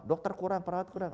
dokter kurang perawat kurang